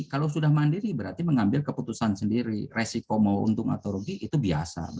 kalau sudah mandiri berarti mengambil keputusan sendiri resiko mau untung atau rugi itu biasa